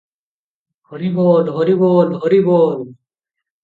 ହରିବୋଲ ହରିବୋଲ ହରିବୋଲ ।